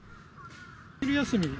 お昼休み。